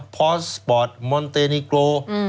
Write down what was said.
พอสปอร์ตมอนเตนิโก